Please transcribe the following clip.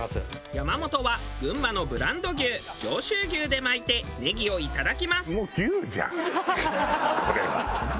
山本は群馬のブランド牛上州牛で巻いてねぎをいただきます。